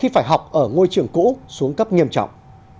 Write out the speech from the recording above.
phải học ở ngôi trường cũ xuống cấp nghiêm trọng